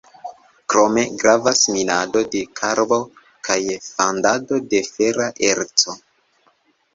Krome gravas minado de karbo kaj fandado de fera erco.